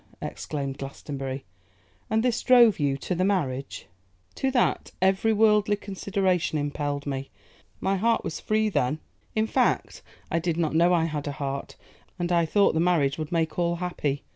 exclaimed Glastonbury. 'And this drove you to the marriage?' 'To that every worldly consideration impelled me: my heart was free then; in fact, I did not know I had a heart; and I thought the marriage would make all happy.